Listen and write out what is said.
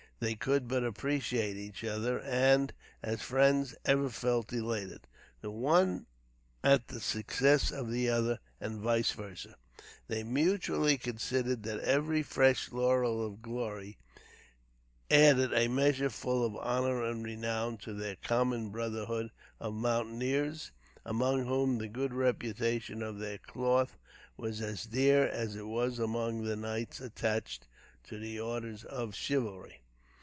They could but appreciate each other, and, as friends, ever felt elated, the one at the success of the other, and vice versâ. They mutually considered that every fresh laurel of glory added a measure full of honor and renown to their common brotherhood of mountaineers, among whom the good reputation of their cloth was as dear as it was among the knights attached to the orders of chivalry.